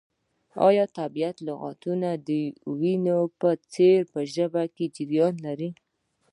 طبیعي لغتونه د وینو په څیر په ژبه کې جریان لري.